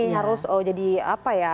harus jadi apa ya